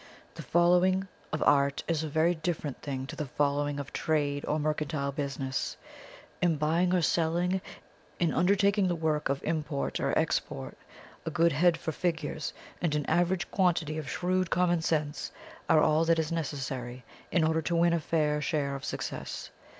The following of art is a very different thing to the following of trade or mercantile business. In buying or selling, in undertaking the work of import or export, a good head for figures, and an average quantity of shrewd common sense, are all that is necessary in order to win a fair share of success.